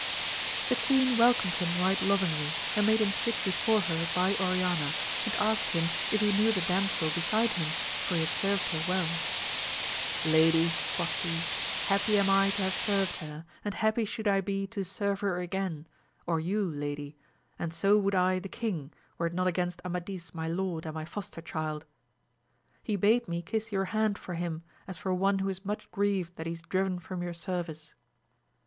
The queen welcomed him right lovingly, and made him sit before her by Oriana, and asked him if he knew the damsel beside him, for he had served her well ? Lady, quoth he, happy am I to have served her, and happy should I be to serve her again, or you lady, and so would I the king, were it not against Amadis my lord and my foster child : he bade me kiss your hand for him as for one who is. much grieved that he is driven from your service.